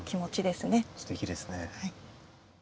すてきですね。